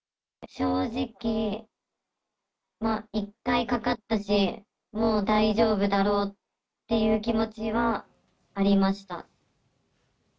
正直、１回かかったし、もう大丈夫だろうっていう気持ちはありました。